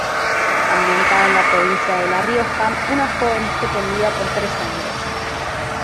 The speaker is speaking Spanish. Ambientada en la provincia de La Rioja, una joven es pretendida por tres hombres.